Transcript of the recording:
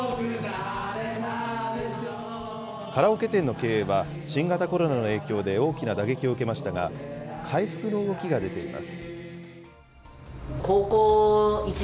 カラオケ店の経営は、新型コロナの影響で大きな打撃を受けましたが、回復の動きが出ています。